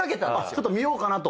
ちょっと見ようかなと？